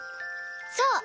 そう！